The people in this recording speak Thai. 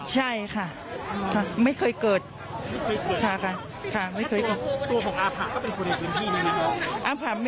ใช่ค่ะค่ะไม่เคยเกิดไม่เคยเกิดค่ะค่ะไม่เคยเกิดตัวของอาภาคก็เป็นคนในพื้นที่นี่ไหม